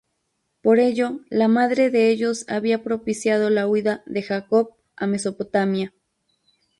Por ello, la madre de ellos había propiciado la huida de Jacob a Mesopotamia.